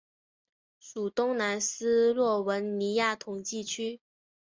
属东南斯洛文尼亚统计区。